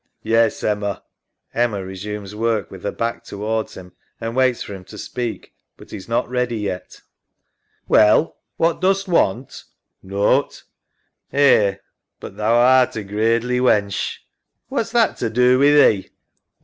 Yes, Emma. [Emma resumes work ivith her back towards him and waits for him to speak. But he is not ready yet. EMMA. Well, what dost want? SAM. Nought. ... Eh, but thou art a gradely wench. EMMA. What's that to do wi' thee?